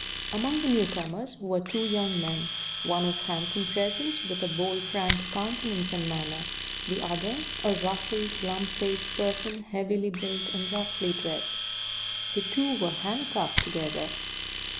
Among the newcomers were two young men, one of handsome presence with a bold, frank countenance and manner; the other a ruffled, glum faced person, heavily built and roughly dressed. The two were handcuffed together.